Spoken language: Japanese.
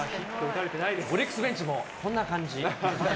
オリックスベンチも、こんな感じ。